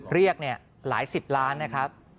เรียกหลายสิบล้านนะครับ